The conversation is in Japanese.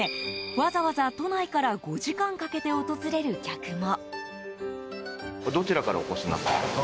わざわざ都内から５時間かけて訪れる客も。